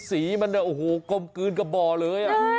สีมันเนี่ยโอ้โหกลมกลืนกับบ่อเลย